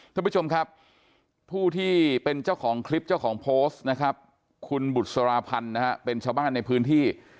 ท่านผู้ชมครับผู้ที่เป็นเจ้าของคลิปเจ้าของโพสต์นะครับคุณบุษราพันธ์นะฮะเป็นชาวบ้านในพื้นที่